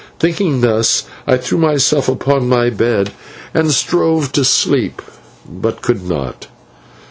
Thinking thus, I threw myself upon my bed and strove to sleep, but could not.